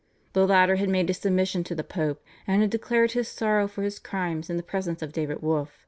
The latter had made his submission to the Pope and had declared his sorrow for his crimes in the presence of David Wolf.